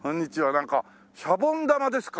なんかシャボン玉ですか？